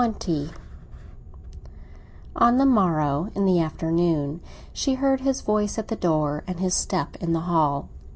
XX ON the morrow, in the afternoon, she heard his voice at the door, and his step in the hall.